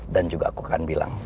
dan juga aku akan bilang